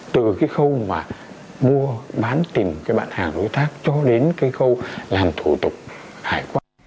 từ cái khâu mà mua bán tìm cái bạn hàng đối tác cho đến cái khâu làm thủ tục hải quan